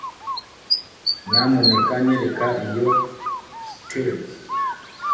Nyamuneka nyereka iyo skirt